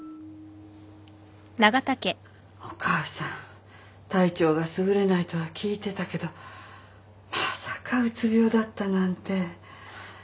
お母さん体調が優れないとは聞いてたけどまさかうつ病だったなんて。